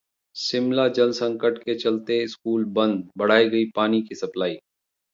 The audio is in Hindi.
शिमला जलसंकट के चलते स्कूल बंद, बढ़ाई गई पानी की सप्लाई